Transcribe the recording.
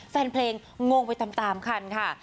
แฟนเพลงงงไปตามคันค่ะ